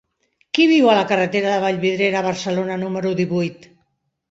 Qui viu a la carretera de Vallvidrera a Barcelona número divuit?